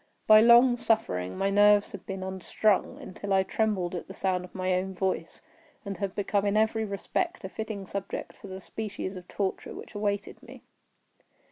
By long suffering my nerves had been unstrung, until I trembled at the sound of my own voice, and had become in every respect a fitting subject for the species of torture which awaited me.